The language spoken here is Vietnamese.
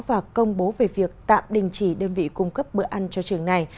và công bố về việc tạm đình chỉ đơn vị cung cấp bữa ăn cho trường này